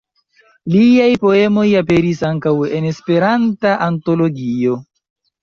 Liaj poemoj aperis ankaŭ en "Esperanta Antologio".